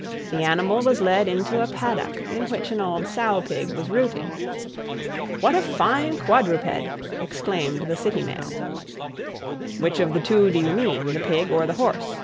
The animal was led into a paddock in which an old sow pig was rooting. "What a fine quadruped!" exclaimed the city man. "Which of the two do you mean, the pig or the horse?"